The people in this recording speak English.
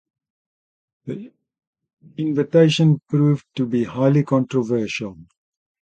The invitation proved to be highly controversial.